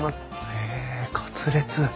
へえカツレツ。